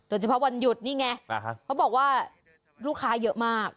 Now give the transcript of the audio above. เฉพาะวันหยุดนี่ไงเขาบอกว่าลูกค้าเยอะมาก